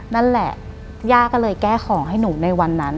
นั่นแหละย่าก็เลยแก้ของให้หนูในวันนั้น